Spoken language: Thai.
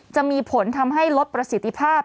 จะมีผลทำให้ลดประสิทธิภาพ